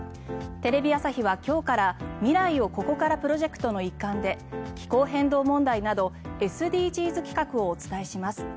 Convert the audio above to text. テレビ朝日は今日から未来をここからプロジェクトの一環で気候変動問題などＳＤＧｓ企画をお伝えします。